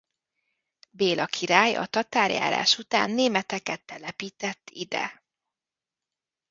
Béla király a tatárjárás után németeket telepített ide.